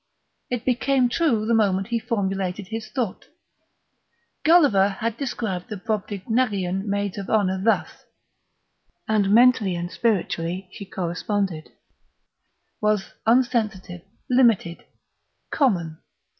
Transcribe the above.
It became true the moment he formulated his thought; Gulliver had described the Brobdingnagian maids of honour thus: and mentally and spiritually she corresponded was unsensitive, limited, common.